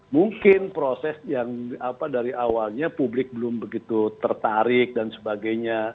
mungkin proses yang dari awalnya publik belum begitu tertarik dan sebagainya